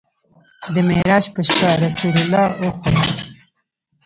د معراج په شپه رسول الله وخوت.